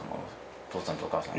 お父さんとお母さんは。